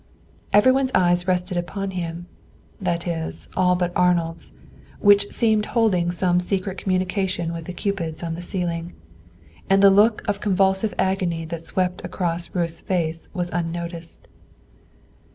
Every one's eyes rested upon him, that is, all but Arnold's, which seemed holding some secret communion with the cupids on the ceiling, and the look of convulsive agony that swept across Ruth's face was unnoticed.